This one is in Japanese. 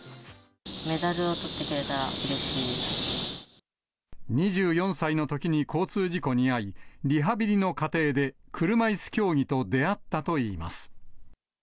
メダルをとってくれたら、２４歳のときに交通事故に遭い、リハビリの過程で車いす競技と出会ったといいます。